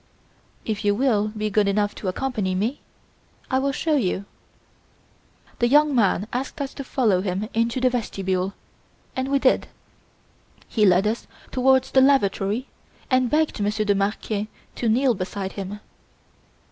"If you will be good enough to accompany me, I will show you." The young man asked us to follow him into the vestibule, and we did. He led us towards the lavatory and begged Monsieur de Marquet to kneel beside him.